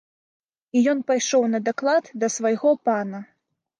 І ён пайшоў на даклад да свайго пана.